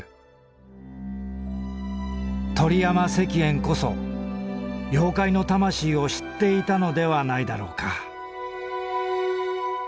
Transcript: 鳥山石燕こそ妖怪のたましいを知っていたのではないだろうか」。